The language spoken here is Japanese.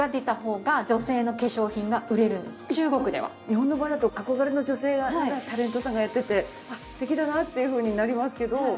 日本の場合だと憧れの女性がタレントさんがやってて素敵だなっていうふうになりますけど。